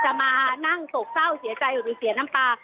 มานั่งโศกเศร้าเสียใจหรือเสียน้ำตา